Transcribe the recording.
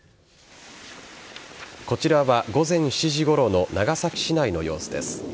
こちらは午前７時ごろの長崎市内の様子です。